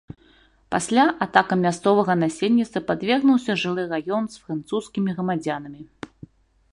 Пасля атакам мясцовага насельніцтва падвергнуўся жылы раён з французскімі грамадзянамі.